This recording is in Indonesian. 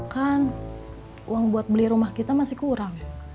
kan uang buat beli rumah kita masih kurang